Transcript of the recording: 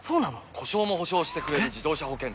故障も補償してくれる自動車保険といえば？